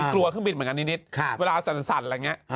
กลัวเครื่องบินเหมือนกันนิดครับเวลาสั่นอะไรอย่างเงี้ย